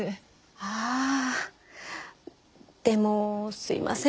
ああでもすみません。